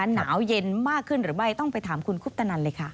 หนาวเย็นมากขึ้นหรือไม่ต้องไปถามคุณคุปตนันเลยค่ะ